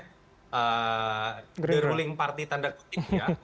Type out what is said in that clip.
the ruling party tanda kutip ya